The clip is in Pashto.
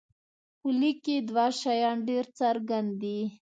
په لیک کې دوه شیان ډېر څرګند دي.